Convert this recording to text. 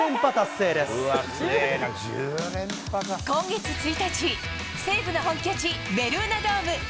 今月１日、西武の本拠地、ベルーナドーム。